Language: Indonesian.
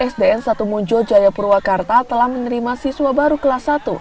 sdn satu muncul jayapurwakarta telah menerima siswa baru kelas satu